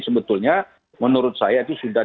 sebetulnya menurut saya itu sudah